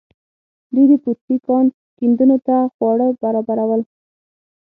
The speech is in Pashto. دوی د پوتسي کان کیندونکو ته خواړه برابرول.